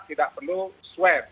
tidak perlu swep